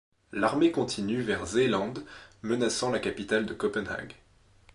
L'armée continue vers Seeland, menaçant la capitale de Copenhague.